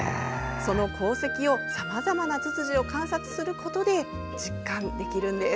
その功績をさまざまなツツジを観察することで実感できるんです。